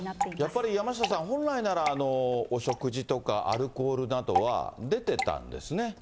やっぱり山下さん、本来なら、お食事とかアルコールなどは、出てたんですね。